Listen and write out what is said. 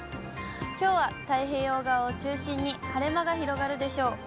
きょうは太平洋側を中心に、晴れ間が広がるでしょう。